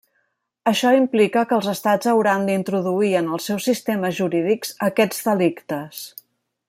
Això implica que els Estats hauran d'introduir en els seus sistemes jurídics aquests delictes.